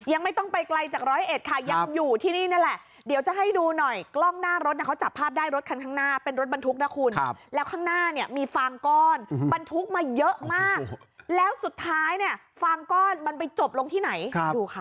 ยังไม่ต้องไปไกลจากร้อยเอ็ดค่ะยังอยู่ที่นี่นั่นแหละเดี๋ยวจะให้ดูหน่อยกล้องหน้ารถเขาจับภาพได้รถคันข้างหน้าเป็นรถบรรทุกนะคุณแล้วข้างหน้าเนี่ยมีฟางก้อนบรรทุกมาเยอะมากแล้วสุดท้ายเนี่ยฟางก้อนมันไปจบลงที่ไหนดูค่ะ